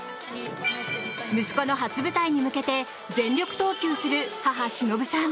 息子の初舞台に向けて全力投球する母・しのぶさん。